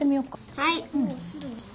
はい。